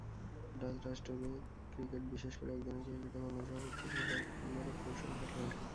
Dutch রাষ্ট্রদূত cricket বিশেষ করে একদিনের ক্রিকেটে বাংলাদেশের অভূতপূর্ব সাফল্যেরও প্রশংসা করেন।